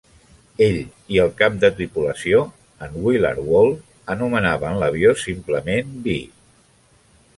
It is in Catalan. Ell i el cap de tripulació, en Willard Wahl, anomenaven l'avió simplement "Bee".